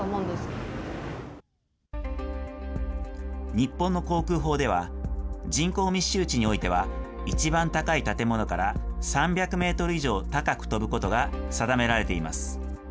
日本の航空法では、人口密集地においては一番高い建物から３００メートル以上高く飛ぶことが定められています。